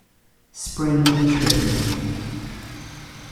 Spring of Trivia.